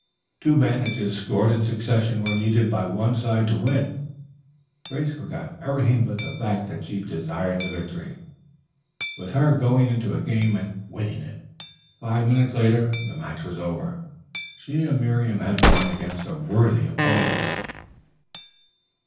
Two vantages scored in succession were needed by one side to win. Grace forgot everything but the fact that she desired the victory. With her, going into a game meant winning it. Five minutes later the match was over. She and Miriam had won against worthy opponents.